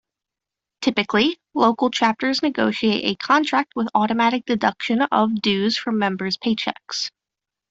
Typically, local chapters negotiate a contract with automatic deduction of dues from members' paychecks.